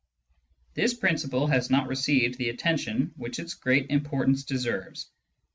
This principle has not received the attention which its great importance deserves.